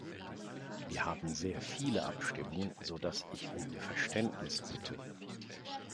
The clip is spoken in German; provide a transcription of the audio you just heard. Wir haben sehr viele Abstimmungen, so dass ich um Ihr Verständnis bitte.